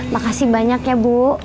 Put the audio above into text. makasih banyak ya bu